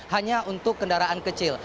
hanya untuk kendaraan kecil